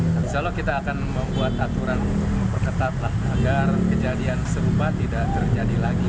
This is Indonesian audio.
insya allah kita akan membuat aturan untuk memperketatlah agar kejadian serupa tidak terjadi lagi